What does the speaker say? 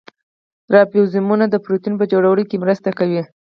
رایبوزومونه د پروټین په جوړولو کې مرسته کوي